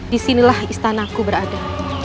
disinilah istanaku berada